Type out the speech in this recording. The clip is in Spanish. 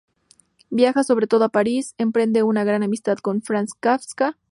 Viaja, sobre todo a París, y emprende una gran amistad con Franz Kafka.